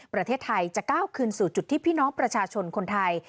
ประเทศไทยจะก้าวคืนสู่จุดที่พี่น้องประชาชนคนไทย